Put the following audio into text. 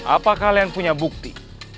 apa kalian punya bukti